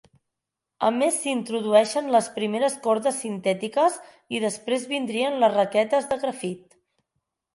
A més s'introduïxen les primeres cordes sintètiques i després vindrien les raquetes de grafit.